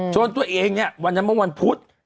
ตัวเองเนี่ยวันนั้นเมื่อวันพุธ